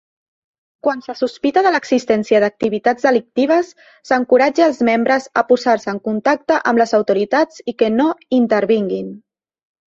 Quan se sospita de l'existència d'activitats delictives, s'encoratja els membres a posar-se en contacte amb les autoritats i que no intervinguin.